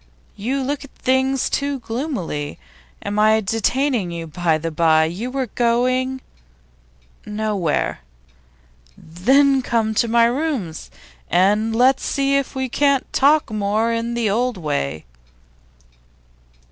'You look at things too gloomily. Am I detaining you, by the bye? You were going ' 'Nowhere.' 'Then come to my rooms, and let us see if we can't talk more in the old way.